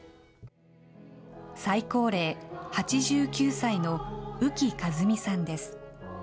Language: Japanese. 最高齢８９歳の宇木和美さんです。